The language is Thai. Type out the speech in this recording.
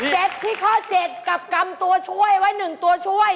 เสร็จที่ข้อ๗กับกำตัวช่วยไว้๑ตัวช่วย